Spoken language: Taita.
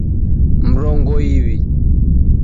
Mrongo iw'i